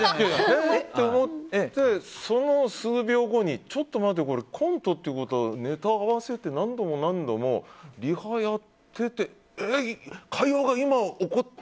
へぇって思って、その数秒後にちょっと待てよこれ、コントってことはネタを合わせて何度も何度もリハやってて。